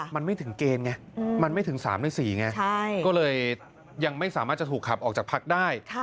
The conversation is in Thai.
มันไม่ถึงเกณฑ์ไงมันไม่ถึง๓ใน๔ไงก็เลยยังไม่สามารถจะถูกขับออกจากพักได้